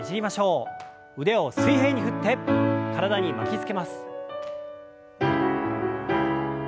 腕を水平に振って体に巻きつけます。